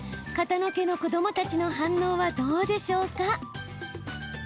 片野家の子どもたちの反応はどうでしょうか？